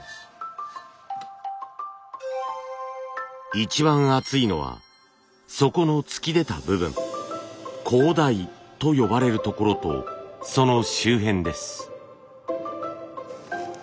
一番厚いのは底の突き出た部分高台と呼ばれるところとその周辺です。